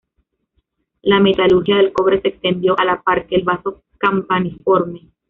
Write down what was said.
La metalurgia del cobre se extendió a la par que el vaso campaniforme.